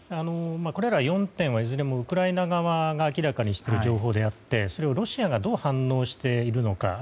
これら４点はいずれもウクライナ側が明らかにしている情報であってそれをロシアがどう反応しているのか。